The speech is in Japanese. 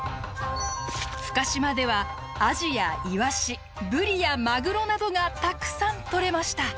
深島ではアジやイワシブリやマグロなどがたくさん取れました。